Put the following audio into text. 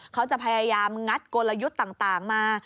เขาจะพยายามงัดกลยุทธ์ต่างมา